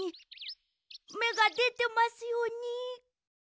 めがでてますように。